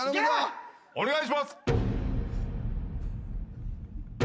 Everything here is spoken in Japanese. お願いします。